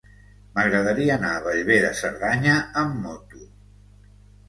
M'agradaria anar a Bellver de Cerdanya amb moto.